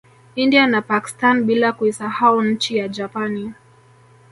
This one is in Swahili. India na Pakstani bila kuisahau nchi ya Japani